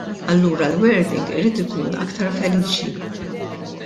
Allura l-wording irid ikun aktar feliċi!